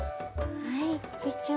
はい部長。